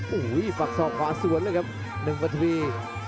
โอ้โหฝากศอกขวาสวนเลยครับหนึ่งปันที